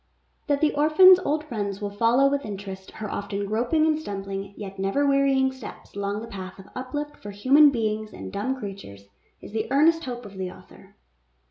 That the orphan's old friends will follow with interest, her often groping and stumbling, yet never V PREFATORY NOTE wearying steps along the path of uplift for human beings and dumb creatures, is the earnest hope of the author.